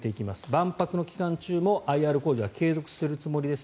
万博の期間中もＩＲ工事は継続するつもりです。